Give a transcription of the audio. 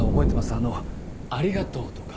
あの「ありがとう」とか。